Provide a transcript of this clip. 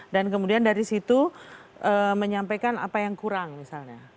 dan kemudian dari situ menyampaikan apa yang kurang misalnya